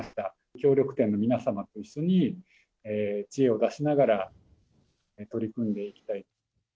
協力店の皆様と一緒に、知恵を出しながら、取り組んでいきたい。